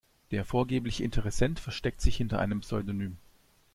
Der vorgebliche Interessent versteckt sich hinter einem Pseudonym.